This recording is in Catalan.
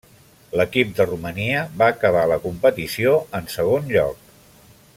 L'equip de Romania va acabar la competició en segon lloc.